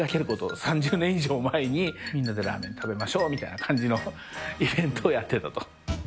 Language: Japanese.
３０年以上前に、みんなでラーメン食べましょうみたいなイベントをやってたと。